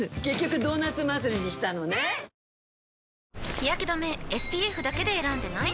日やけ止めＳＰＦだけで選んでない？